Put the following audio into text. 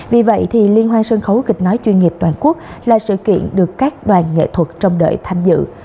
vì vậy liên hoan sân khấu kịch nói chuyên nghiệp toàn quốc là sự kiện được các đoàn nghệ thuật trong đợi tham dự